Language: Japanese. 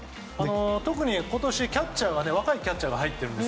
特に今年、若いキャッチャーが入ってるんです。